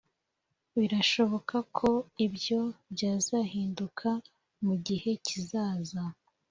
birashoboka ko ibyo byazahinduka mu gihe kizaza.